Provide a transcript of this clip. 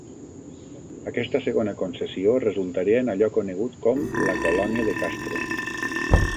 Aquesta segona concessió resultaria en allò conegut com la Colònia de Castro.